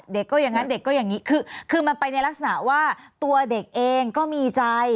เด็กก็อย่างนั้นเด็กก็อย่างนี้คือมันไปในลักษณะว่าตัวเด็กเองก็มีใจ